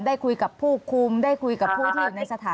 ได้คุยกับผู้คุมได้คุยกับผู้ที่อยู่ในสถาน